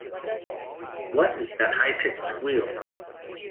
What is that high-pitched squeal?